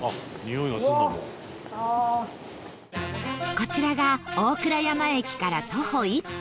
こちらが大倉山駅から徒歩１分